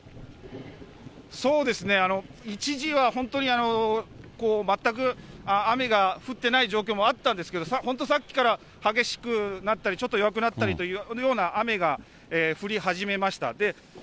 そうですね、一時は本当に全く雨が降ってない状況もあったんですけれども、本当さっきから激しくなったり、ちょっと弱くなったりというような雨が降り始めました。